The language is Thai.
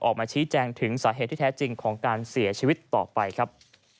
ออกมาชี้แจงถึงสาเหตุที่แท้จริงของการเสียชีวิตต่อไปครับ